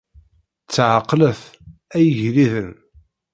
Ttɛeqqlet, ay igelliden.